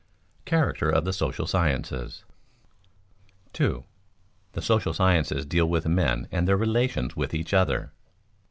[Sidenote: Character of the social sciences] 2. _The social sciences deal with men and their relations with each other.